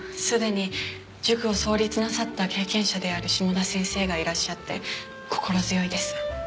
すでに塾を創立なさった経験者である下田先生がいらっしゃって心強いです。